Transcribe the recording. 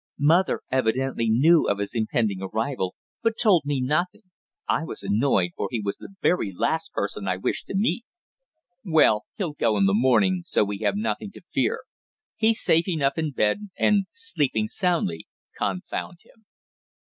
Mother evidently knew of his impending arrival, but told me nothing. I was annoyed, for he was the very last person I wished to meet." "Well, he'll go in the morning, so we have nothing to fear. He's safe enough in bed, and sleeping soundly confound him!"